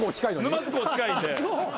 沼津港近いんで。